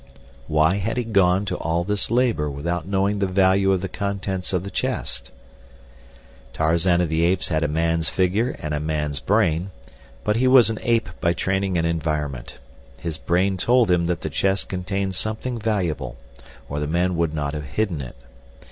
Why had he gone to all this labor without knowing the value of the contents of the chest? Tarzan of the Apes had a man's figure and a man's brain, but he was an ape by training and environment. His brain told him that the chest contained something valuable, or the men would not have hidden it.